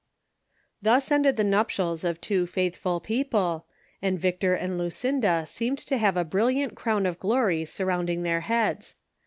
Thus ended the nuptials of two faithful couple, and Vic tor and Lucinda seemed to have a brilliant crown of glory surrounding their heads.